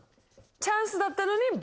チャンスだったのに。